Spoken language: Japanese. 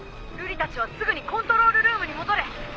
瑠璃たちはすぐにコントロールルームに戻れ。